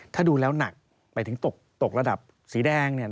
ถ้าดูแล้วหนักหมายถึงตกระดับสีแดงเนี่ย